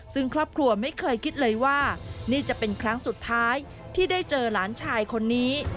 ซึ่งครอบครัวไม่เคยคิดเลยว่านี่จะเป็นครั้งสุดท้ายที่ได้เจอหลานชายคนนี้